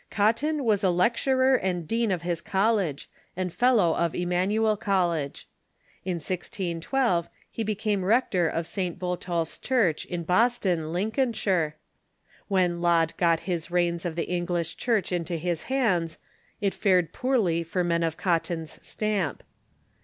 Cotton was lecturer and dean of his college, and fellow of Emmanuel College. In 1612 he became rector of St. Botolph's Church, in Boston, Lin colnshire. When Laud got the reins of the English Church into his hands, it fared poorly for men of Cotton's stamp.